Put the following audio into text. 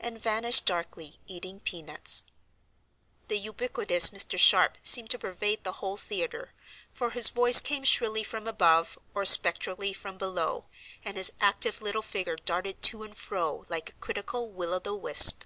and vanished darkly, eating pea nuts. The ubiquitous Mr. Sharp seemed to pervade the whole theatre; for his voice came shrilly from above or spectrally from below, and his active little figure darted to and fro like a critical will o the wisp.